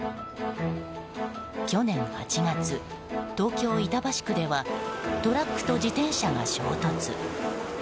去年８月、東京・板橋区ではトラックと自転車が衝突。